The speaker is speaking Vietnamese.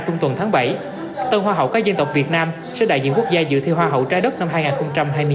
tuần tháng bảy tên hoa hậu các dân tộc việt nam sẽ đại diện quốc gia giữ thiên hoa hậu trái đất năm hai nghìn hai mươi hai